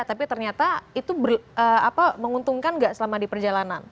tapi ternyata itu menguntungkan nggak selama di perjalanan